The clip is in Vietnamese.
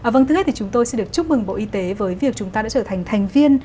vâng trước hết thì chúng tôi xin được chúc mừng bộ y tế với việc chúng ta đã trở thành thành viên